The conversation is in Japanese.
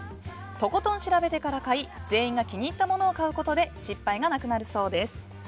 とことん調べてから買い全員が気に入ったものを買うことで失敗がなくなるそうです。